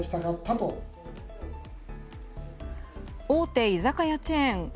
大手居酒屋チェーン